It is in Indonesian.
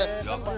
eh enggak pak